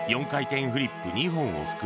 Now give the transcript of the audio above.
４回転フリップ。